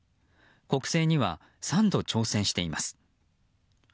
国政には３度挑戦しています。